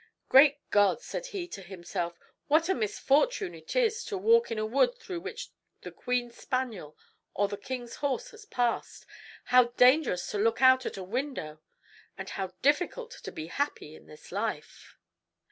"Great God!" said he to himself, "what a misfortune it is to walk in a wood through which the queen's spaniel or the king's horse has passed! how dangerous to look out at a window! and how difficult to be happy in this life!"